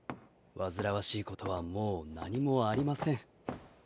煩わしいことはもう何もありません。